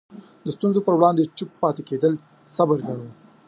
د ستونزو په وړاندې چوپ پاتې کېدل صبر ګڼو.